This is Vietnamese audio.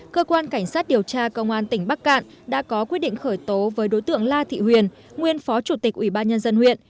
cơ quan cảnh sát điều tra công an tỉnh bắc cạn đã có quyết định khởi tố với đối tượng la thị huyền nguyên phó chủ tịch ubnd huyện